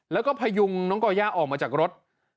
แล้วก็พยุงน้องก่อย่าออกมาจากรถ